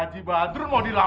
haji badrun mau dilawan